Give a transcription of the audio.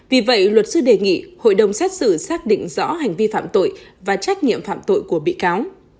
vì vậy luật sư đề nghị hội đồng xét xử xác định rõ hành vi phạm tội và trách nhiệm phạm tội của bị cáo